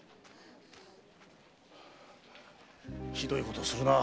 ひどいことをするな。